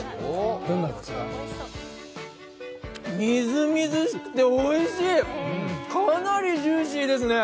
みずみずしくて、おいしい、かなりジューシーですね。